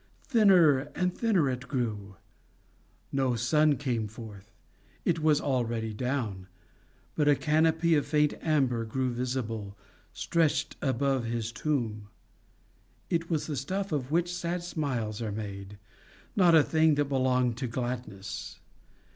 Thinner and thinner it grew. No sun came forth: he was already down; but a canopy of faint amber grew visible, stretched above his tomb. It was the stuff of which sad smiles are made, not a thing that belonged to gladness.